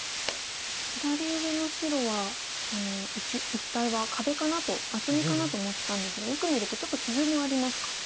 左上の白は一帯は壁かなと厚みかなと思ってたんですがよく見るとちょっと傷もありますか。